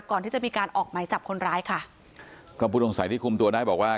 ก่อนที่จะมีการออกไหมจับคนร้ายค่ะก็ผู้ต้องสัยที่คุมตัวได้บอกว่า